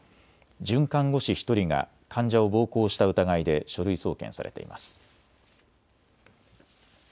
准看護師１人が患者を暴行した疑いで書類送検されています。